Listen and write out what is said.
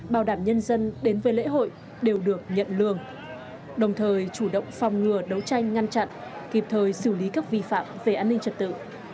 bảo đảm nhân dân đến với lễ hội đều được nhận lương đồng thời chủ động phòng ngừa đấu tranh ngăn chặn kịp thời xử lý các vi phạm về an ninh trật tự